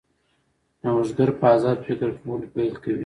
نوښتګر په ازاد فکر کولو پیل کوي.